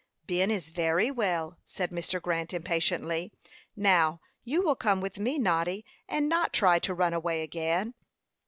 "Ben is very well," said Mr. Grant, impatiently. "Now, you will come with me, Noddy, and not try to run away again."